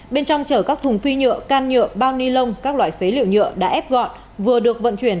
bên trong chở các thùng phi nhựa can nhựa bao ni lông các loại phế liệu nhựa đã ép gọn vừa được vận chuyển